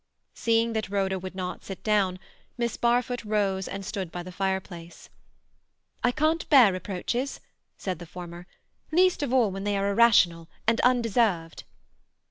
Seeing that Rhoda would not sit down, Miss Barfoot rose and stood by the fireplace. "I can't bear reproaches," said the former; "least of all when they are irrational and undeserved."